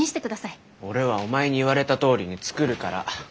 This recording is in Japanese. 俺はお前に言われたとおりに作るから。